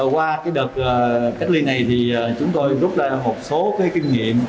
qua đợt cách ly này chúng tôi rút ra một số kinh nghiệm